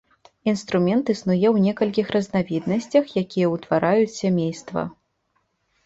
Інструмент існуе ў некалькіх разнавіднасцях, якія ўтвараюць сямейства.